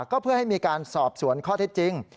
ก็เพื่อให้มีการสอบสวนข้อเท็จจริง